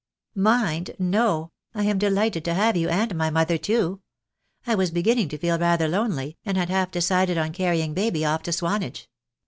"Mind, no: I am delighted to have you, and my mother, too. I was beginning to feel rather lonely, and had half decided on carrying baby off to Swanage.